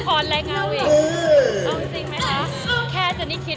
ดูโพสเจนนสิคาร์นแรกมายุ่งเหมือนยาวนี้